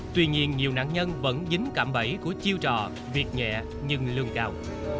tuy nhiên nhiều nạn nhân vẫn dính cạm bẫy của chiêu trò việc nhẹ nhưng lương cao